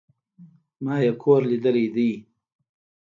ما ئې کور ليدلى دئ